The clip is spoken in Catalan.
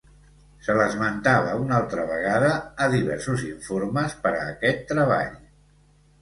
Se l'esmentava una altra vegada a diversos informes per a aquest treball.